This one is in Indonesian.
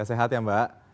sehat ya mbak